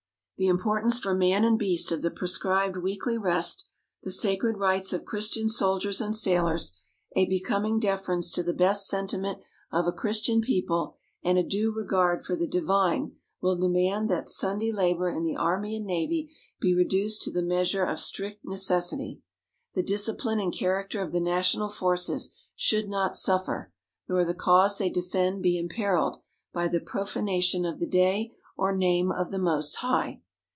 The importance for man and beast of the prescribed weekly rest, the sacred rights of Christian soldiers and sailors, a becoming deference to the best sentiment of a Christian people, and a due regard for the Divine will, demand that Sunday labour in the Army and Navy be reduced to the measure of strict necessity. The discipline and character of the national forces should not suffer, nor the cause they defend be imperilled, by the profanation of the day or name of the Most High.